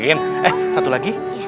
eh satu lagi